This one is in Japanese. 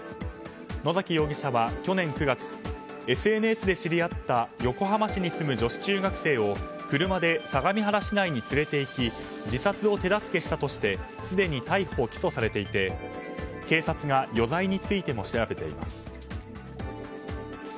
野崎容疑者は去年９月ＳＮＳで知り合った横浜市に住む女子中学生を車で相模原市内に連れていき自殺を手助けしたとしてすでに逮捕・起訴されていて警察が余罪についても調べています。